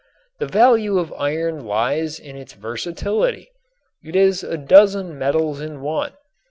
The value of iron lies in its versatility. It is a dozen metals in one.